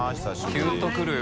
キュンとくるよ。